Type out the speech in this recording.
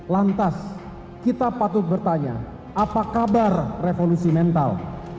lantas kita patut bertanya apa kabar revolusi mental